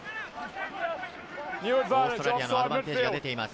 オーストラリアのアドバンテージが出ています。